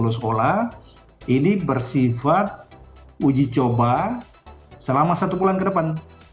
lulus sekolah ini bersifat uji coba selama satu bulan ke depan